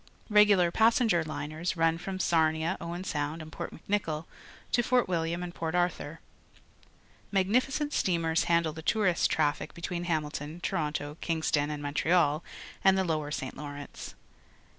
Regular passenger liners run from Sarnia, Owen Sound, and Port Mc Nicoll to Fort Wilham and Port Arthur. Magnificent steamers handle the tourist traffic between Hamilton, Toronto, Ivingston, and Montreal and the Lower St. Lawrence.